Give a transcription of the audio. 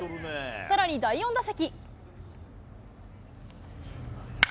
さらに第４打席。